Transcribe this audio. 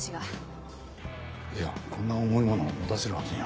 いやこんな重いものを持たせるわけには。